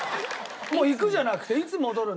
もう「行く」じゃなくて「いつ戻るんですか？」